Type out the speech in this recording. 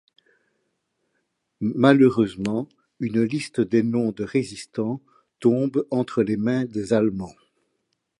Malheureusement, une liste de noms de résistants tombe entre les mains des Allemands.